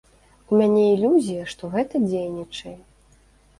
У мяне ілюзія, што гэта дзейнічае.